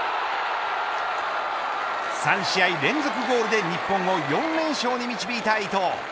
３試合連続ゴールで日本を４連勝に導いた伊東。